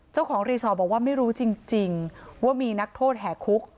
เจ้าของรีสอร์ทบอกว่าไม่รู้จริงว่ามีนักโทษแห่คุก